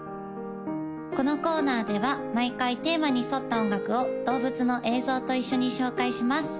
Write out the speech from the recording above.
このコーナーでは毎回テーマに沿った音楽を動物の映像と一緒に紹介します